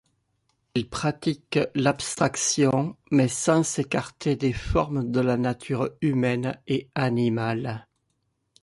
Il pratique l'abstraction, mais sans s'écarter des formes de la nature humaine et animale.